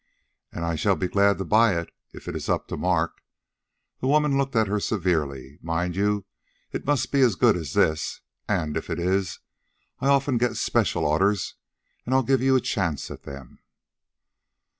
"And I shall be glad to buy it... if it is up to the mark." The woman looked at her severely. "Mind you, it must be as good as this. And if it is, I often get special orders, and I'll give you a chance at them."